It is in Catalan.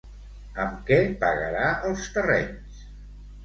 Amb què pagarà els terrenys?